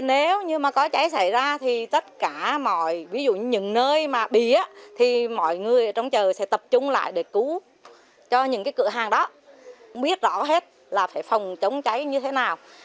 nếu có cháy xảy ra tất cả những nơi bịa mọi người trong chợ sẽ tập trung lại để cứu cho những cửa hàng đó biết rõ hết là phải phòng chống cháy như thế nào